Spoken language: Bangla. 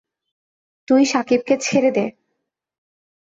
তুই শাকিবকে ছেড়ে দে!